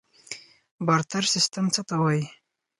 بارتر سیستم څه ته وایي؟